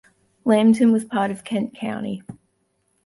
Lambton was part of Kent county.